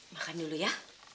makan dulu ya